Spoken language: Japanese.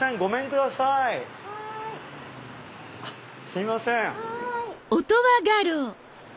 すいません。